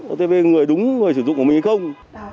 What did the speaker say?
otp người đúng người sử dụng của mình hay không